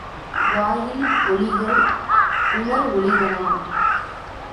வாயில் ஒலிகள், உணர்வொலிகளாம்.